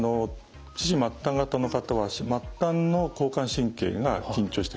四肢末端型の方は末端の交感神経が緊張してるんですね。